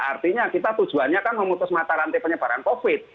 artinya kita tujuannya kan memutus mata rantai penyebaran covid